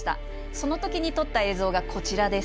その時に撮った映像がこちらです。